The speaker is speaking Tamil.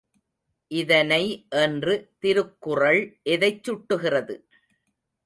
இதனை என்று திருக்குறள் எதைச் சுட்டுகிறது?